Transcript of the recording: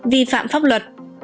vi phạm pháp luật